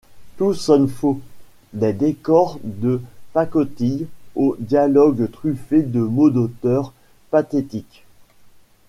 Tout sonne faux, des décors de pacotille aux dialogues truffés de mots d’auteur pathétiques.